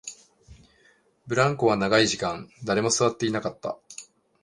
ブランコは長い時間、誰も座っていなかった